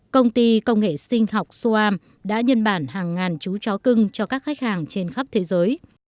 công ty công nghệ sinh học swarm đã nhân bản hàng ngàn chú chó cưng cho các khách hàng trên khắp thế giới